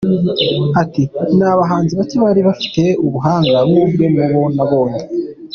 Ati “Ni abahanzi bake bari bafte ubuhanga nk’ubwe mu bo nabonye.